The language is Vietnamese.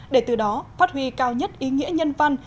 để từ đó phát huy cao nhất ý nghĩa nhân văn